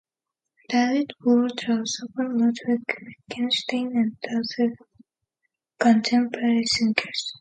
David Bloor draws upon Ludwig Wittgenstein and other contemporary thinkers.